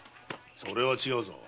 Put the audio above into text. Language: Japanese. それは違うぞ。